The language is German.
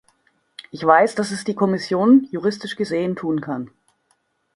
Ich weiß, dass es die Kommission juristisch gesehen tun kann.